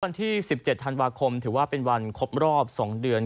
วันที่๑๗ธันวาคมถือว่าเป็นวันครบรอบ๒เดือน